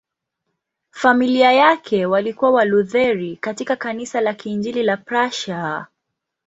Familia yake walikuwa Walutheri katika Kanisa la Kiinjili la Prussia.